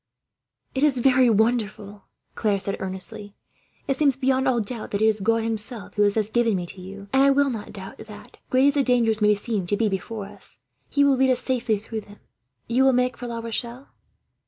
"It is very wonderful," Claire said earnestly. "It seems, beyond all doubt, that it is God Himself who has thus given me to you; and I will not doubt that, great as the dangers may seem to be before us, He will lead us safely through them. "You will make for La Rochelle?"